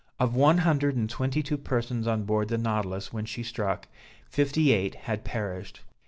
Of one hundred and twenty two persons on board the Nautilus when she struck, fifty eight had perished.